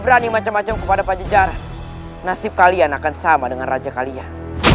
ringkus senor jatuh